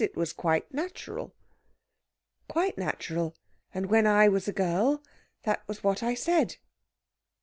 It was quite natural." "Quite natural! And when I was that girl that was what I said."